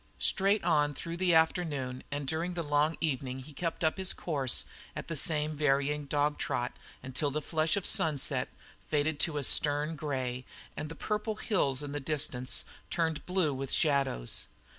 Straight on through the afternoon and during the long evening he kept his course at the same unvarying dog trot until the flush of the sunset faded to a stern grey and the purple hills in the distance turned blue with shadows.